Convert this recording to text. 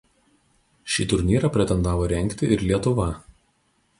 Šį turnyrą pretendavo rengti ir Lietuva.